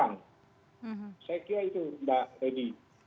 saya kira itu mbak reni